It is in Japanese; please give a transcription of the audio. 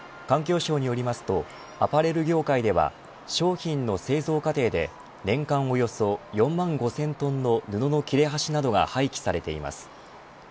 環境省によりますとアパレル業界では商品の製造過程で年間およそ４万５０００トンの布の切れ端などが廃棄されています。